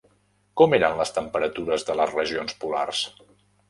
Com eren les temperatures de les regions polars?